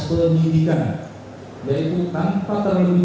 puhak dengan kata lain